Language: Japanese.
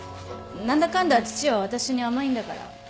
何だかんだ父は私に甘いんだから。